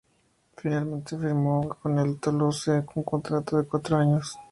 Finalmente firmó con el Toulouse un contrato de cuatro años.